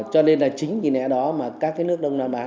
cho nên là chính vì lẽ đó mà các cái nước đông nam á